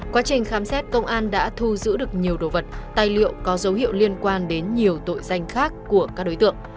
quá trình khám xét công an đã thu giữ được nhiều đồ vật tài liệu có dấu hiệu liên quan đến nhiều tội danh khác của các đối tượng